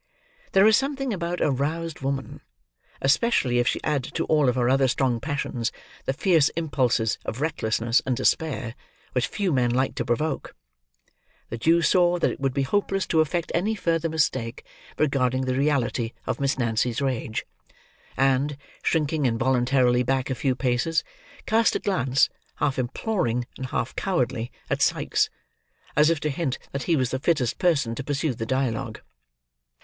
There is something about a roused woman: especially if she add to all her other strong passions, the fierce impulses of recklessness and despair; which few men like to provoke. The Jew saw that it would be hopeless to affect any further mistake regarding the reality of Miss Nancy's rage; and, shrinking involuntarily back a few paces, cast a glance, half imploring and half cowardly, at Sikes: as if to hint that he was the fittest person to pursue the dialogue.